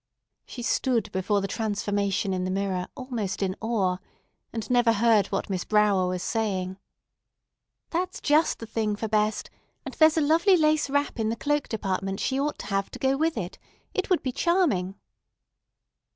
She stood before the transformation in the mirror almost in awe, and never heard what Miss Brower was saying: "That's just the thing for best, and there's a lovely lace wrap in the cloak department she ought to have to go with it. It would be charming."